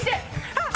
あっ！